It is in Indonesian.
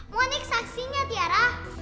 monik saksinya ciara